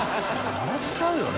笑っちゃうよね。